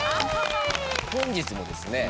本日もですね